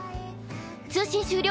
通信終了。